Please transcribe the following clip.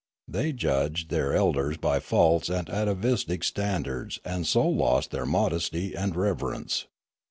They judged their elders by false and atavistic standards and so lost their modesty and reverence.